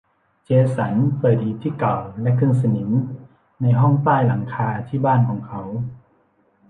เจสันเปิดหีบที่เก่าและขึ้นสนิมในห้องใต้หลังคาที่บ้านของเขา